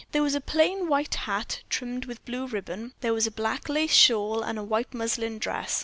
There was a plain white hat, trimmed with blue ribbon; there was a black lace shawl and a white muslin dress.